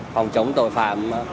phòng chống tội phạm